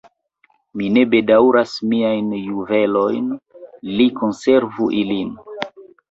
Mi ne bedaŭras miajn juvelojn; li konservu ilin!